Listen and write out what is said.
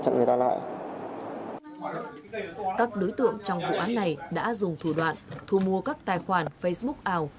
các đối tượng trong vụ án này đã dùng thủ đoạn thu mua các tài khoản facebook ảo